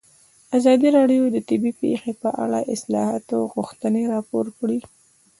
ازادي راډیو د طبیعي پېښې په اړه د اصلاحاتو غوښتنې راپور کړې.